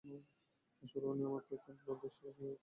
আসলে, উনি, আমাকে তার এক বন্ধুর কাছে নিতে চাচ্ছেন।